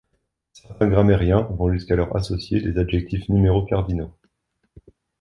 Certains grammairiens vont jusqu'à leur associer les adjectifs numéraux cardinaux.